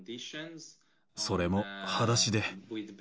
それもはだしで。